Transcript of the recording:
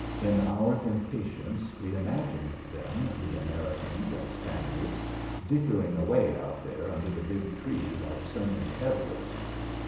In our impatience, we imagined them the Americans and Spaniards dickering away out there under the big tree like so many peddlers.